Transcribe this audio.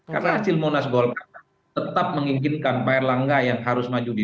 karena hasil monas golkar tetap menginginkan pair langga yang harus maju di dua ribu dua puluh empat